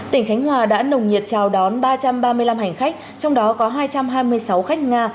tỉnh khánh hòa đã nồng nhiệt chào đón ba trăm ba mươi năm hành khách trong đó có hai trăm hai mươi sáu khách nga